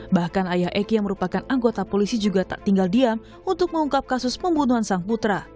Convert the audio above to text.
bahkan ayah eki yang merupakan anggota polisi juga tak tinggal diam untuk mengungkap kasus pembunuhan sang putra